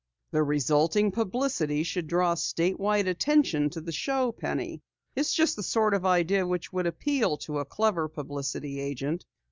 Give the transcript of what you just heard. "The resulting publicity should draw state wide attention to the show, Penny. It's just the sort of idea which would appeal to a clever publicity agent.